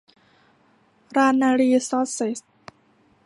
ลานนารีซอร์สเซส